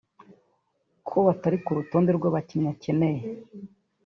ko batari ku rutonde rw'abakinyi akeneye